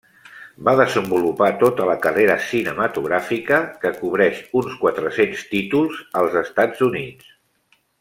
Va desenvolupar tota la carrera cinematogràfica, que cobreix uns quatre-cents títols, als Estats Units.